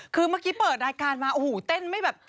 คือเมื่อกี้เปิดรายการมาโอ้โหเต้นไม่แบบ